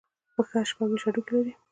پښه شپږ ویشت هډوکي لري.